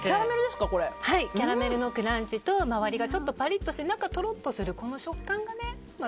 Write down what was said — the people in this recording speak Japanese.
キャラメルのクランチと周りがちょっとパリッとして中は、とろっとするこの食感がね。